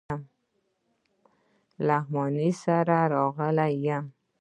لغمانی سره راغلی یم.